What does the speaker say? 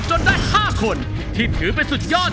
ได้๕คนที่ถือเป็นสุดยอด